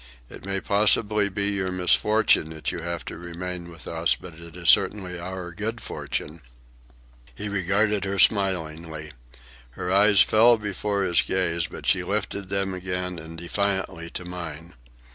It may possibly be your misfortune that you have to remain with us, but it is certainly our good fortune." He regarded her smilingly. Her eyes fell before his gaze, but she lifted them again, and defiantly, to mine.